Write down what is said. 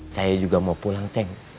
saya juga mau pulang tank